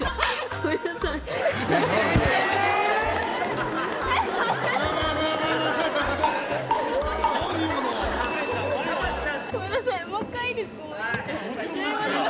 すいません。